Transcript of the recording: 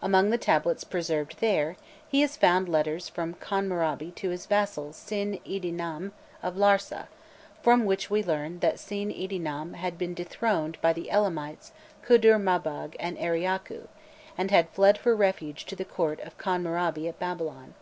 Among the tablets preserved there, he has found letters from Kharnmurabi to his vassal Sin idinnam of Larsa, from which we learn that Sin idinnam had been dethroned by the Elamites Kudur Mabug and Eri Âku, and had fled for refuge to the court of Kharnmurabi at Babylon.